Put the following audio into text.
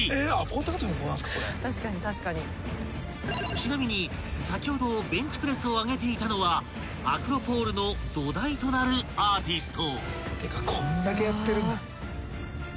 ［ちなみに先ほどベンチプレスを上げていたのはアクロ・ポールの土台となるアーティスト］